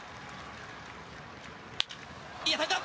いい当たりだ！